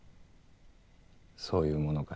そういうものかい。